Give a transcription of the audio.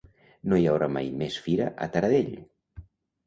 No hi haurà mai més fira a Taradell!